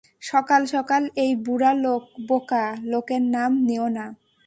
সকাল সকাল এই বুড়া বোকা লোকের নাম নিয়ো না।